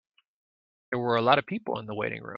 There were a lot of people in the waiting room.